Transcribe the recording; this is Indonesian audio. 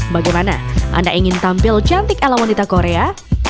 bagaimana anda ingin tampil cantik ala wanita korea